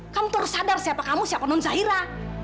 kamu harus sadar siapa kamu siapa non zahira